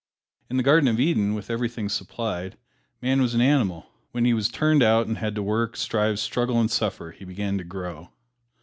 In the Garden of Eden, with everything supplied, man was an animal, but when he was turned out and had to work, strive, struggle and suffer, he began to grow.